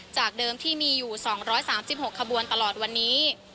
จากเดิมที่มีอยู่๒๓๖ขบวนตลอดวันนี้